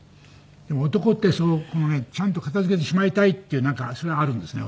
男ってちゃんと片付けてしまいたいっていうなんかそれはあるんですよ。